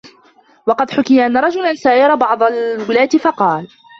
وَقَدْ حُكِيَ أَنَّ رَجُلًا سَايَرَ بَعْضَ الْوُلَاةِ فَقَالَ